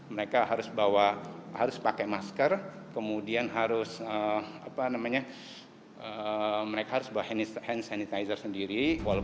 mereka harus pakai masker kemudian mereka harus bawa hand sanitizer sendiri